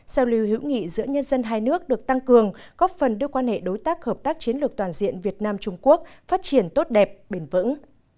giao lưu hữu nghị giữa nhân dân hai nước được tăng cường góp phần đưa quan hệ đối tác hợp tác chiến lược toàn diện việt nam trung quốc phát triển tốt đẹp bền vững